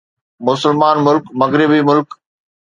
مسلمان ملڪ مغربي ملڪ